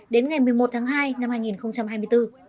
đến ngày một mươi một tháng hai năm hai nghìn hai mươi bốn